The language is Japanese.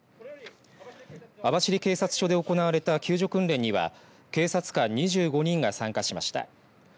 網走警察署で行われた救助訓練には警察官２５人が参加しました。